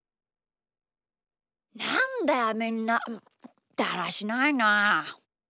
なんだよみんなだらしないなあ。